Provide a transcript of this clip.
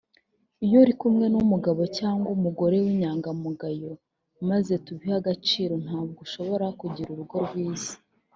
Iyo uri kumwe n’umugabo cyangwa umugore w’inyangamugayo maze ntubihe agaciro ntabwo ushobora kugira urugo rwiza